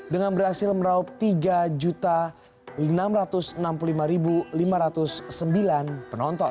dengan berhasil meraup tiga enam ratus enam puluh lima lima ratus sembilan penonton